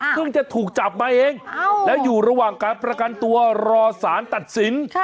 จะถูกจับมาเองแล้วอยู่ระหว่างการประกันตัวรอสารตัดสิน